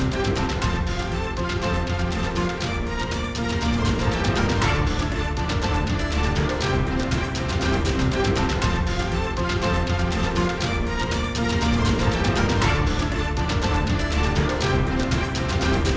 terima kasih pak arief